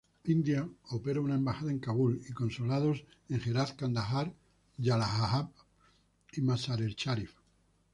India opera una embajada en Kabul y consulados en Herat, Kandahar, Jalalabad y Mazar-e-Sharif.